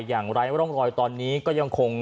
อย่างไร้ร่องรอยตอนนี้ก็ยังคง